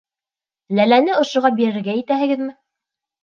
Ләләне ошоға бирергә итәһегеҙме?